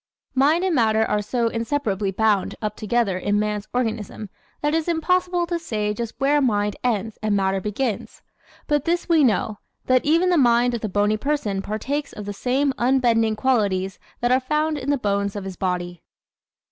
Mind and matter are so inseparably bound up together in man's organism that it is impossible to say just where mind ends and matter begins. But this we know: that even the mind of the bony person partakes of the same unbending qualities that are found in the bones of his body.